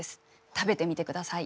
食べてみてください。